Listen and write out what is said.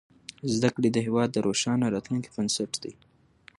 زدهکړې د هېواد د روښانه راتلونکي بنسټ دی.